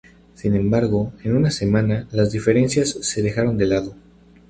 Sin embargo, en una semana, las diferencias se dejaron de lado.